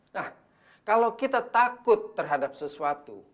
nah kalau kita takut terhadap sesuatu